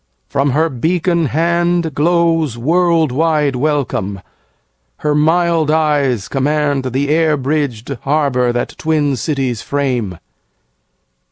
From her beacon handGlows world wide welcome; her mild eyes commandThe air bridged harbour that twin cities frame.